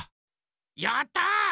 やった！